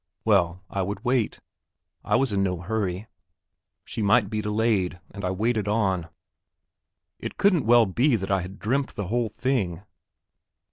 Well, I would wait; I was in no hurry. She might be delayed, and I waited on. It couldn't well be that I had dreamt the whole thing!